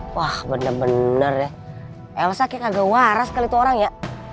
wah bener bener ya elsa kayak agak waras sekali tuh orang ya